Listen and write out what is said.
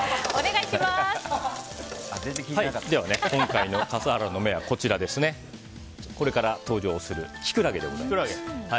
今回の笠原の眼はこれから登場するキクラゲでございます。